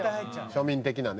庶民的なね。